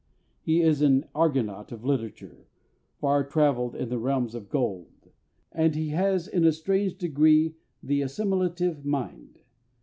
He is an argonaut of literature, far travelled in the realms of gold, and he has in a strange degree the assimilative mind....